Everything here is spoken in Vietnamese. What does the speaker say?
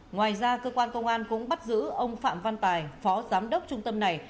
ngoài ra cơ quan công an cũng bắt giữ ông phạm văn tài phó giám đốc trung tâm này